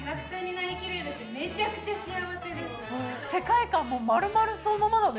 世界観もまるまるそのままだね。